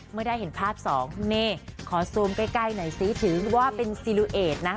เมื่อได้เห็นภาพสองนี่ขอซูมใกล้หน่อยซิถือว่าเป็นซีลูเอดนะ